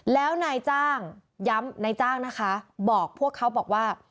แล้วนายจ้างย้ำนายจ้างนะคะบอกพวกเขาบอกว่า